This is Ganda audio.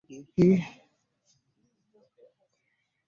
Abo abakugamba obamanyiiko ki?